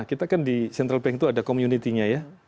kita kan di central bank itu ada communitynya ya